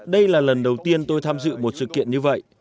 đây là lần đầu tiên tôi tham dự một sự kiện như vậy